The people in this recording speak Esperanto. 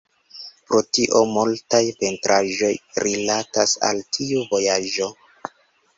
Pro tio multaj pentraĵoj rilatas al tiu vojaĝo.